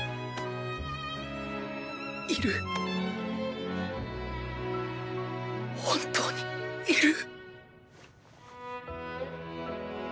いる本当にいる！！